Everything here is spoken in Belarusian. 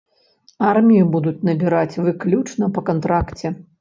Армію будуць набіраць выключна па кантракце.